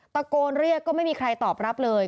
ตะโกนเรียกก็ไม่มีใครตอบรับเลย